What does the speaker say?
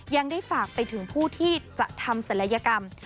ยังได้ฝากไปถึงผู้ที่จะทำศัลยกรรม